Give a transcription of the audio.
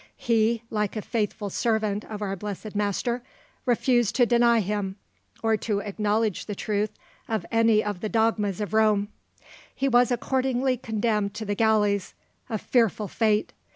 He, like a faithful servant of our blessed Master, refused to deny Him, or to acknowledge the truth of any of the dogmas of Rome. He was accordingly condemned to the galleys, a fearful fate!